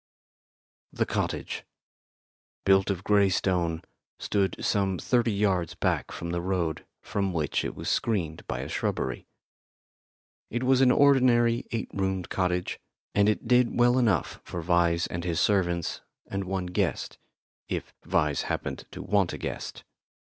The cottage, built of grey stone, stood some thirty yards back from the road, from which it was screened by a shrubbery. It was an ordinary eight roomed cottage, and it did well enough for Vyse and his servants and one guest if Vyse happened to want a guest.